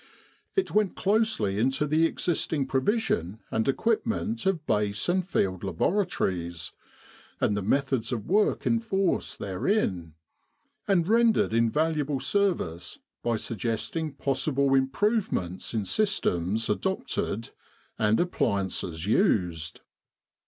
It went closely into the existing provision and equipment of Base and Field Laboratories, and the methods of work in force therein; and rendered invaluable service by sugges ting possible improvements in systems adopted and appliances used.